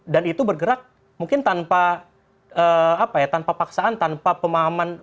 itu bergerak mungkin tanpa paksaan tanpa pemahaman